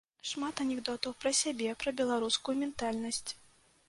Шмат анекдотаў пра сябе, пра беларускую ментальнасць.